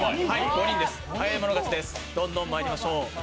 早い者勝ちです、どんどんまいりましょう。